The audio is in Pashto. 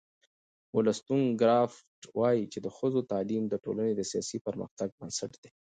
ولستون کرافټ وایي چې د ښځو تعلیم د ټولنې د سیاسي پرمختګ بنسټ دی.